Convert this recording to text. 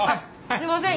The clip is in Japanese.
すいません。